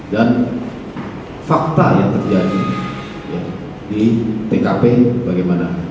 dan fakta yang terjadi di pkp bagaimana